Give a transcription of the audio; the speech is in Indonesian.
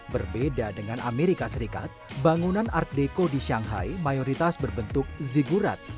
berbeda dengan amerika serikat bangunan art deco di shanghai mayoritas berbentuk zigurat